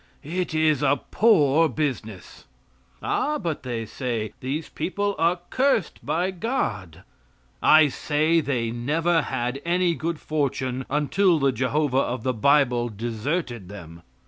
It is a poor business. "Ah?" but they say, "these people are cursed by God." I say they never had any good fortune until the Jehovah of the bible deserted them.